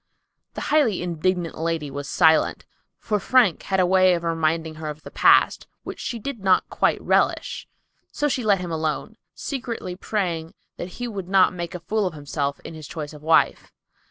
The highly indignant lady was silent, for Frank had a way of reminding her of the past, which she did not quite relish; so she let him alone, secretly praying that he would not make a fool of himself in his choice of a wife.